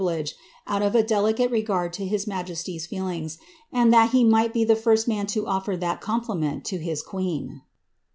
lege, out of a delicate regard to his majesty's feelinga, and that ht migfit be the first man to ofier that compliment to his queen."'